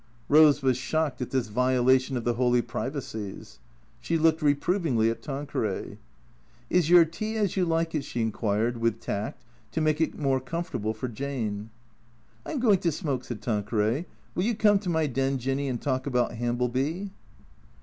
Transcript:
Eose was shocked at this violation of the holy privacies. She looked reprovingly at Tanqueray. " Is your tea as you like it ?" she inquired, with tact, to make it more comfortable for Jane. " I 'm going to smoke," said Tanqueray. " Will you come to my den. Jinny, and talk about Hambleby ?